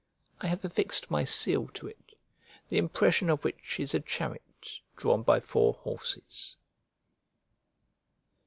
I have affixed my seal to it, the impression of which is a chariot drawn by four horses.